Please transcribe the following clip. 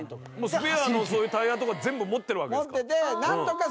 スペアのタイヤとか全部持ってるわけですか？